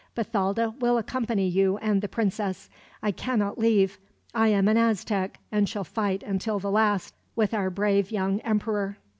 Bathalda will accompany you and the princess. I cannot leave. I am an Aztec, and shall fight until the last, with our brave young emperor."